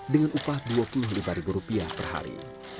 dengan upah rp dua puluh lima perhari